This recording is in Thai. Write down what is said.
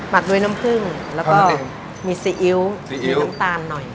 ักด้วยน้ำผึ้งแล้วก็มีซีอิ๊วซีอิ๊วน้ำตาลหน่อย